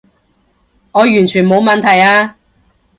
我完全冇問題啊